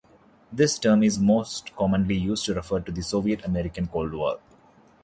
This term is most commonly used to refer to the Soviet-American Cold War.